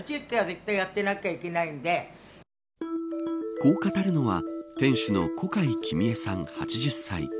こう語るのは店主の小海君枝さん、８０歳。